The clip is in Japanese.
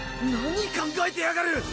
何考えてやがる！